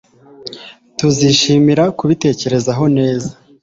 Tuzishimira kubitekerezaho neza